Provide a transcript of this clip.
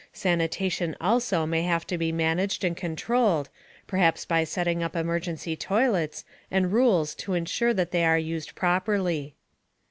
Sanitation also may have to be managed and controlled, perhaps by setting up emergency toilets and rules to insure that they are used properly.